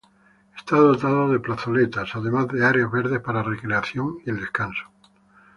Está dotado de plazoletas además de áreas verdes para la recreación y el descanso.